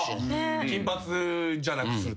金髪じゃなくする？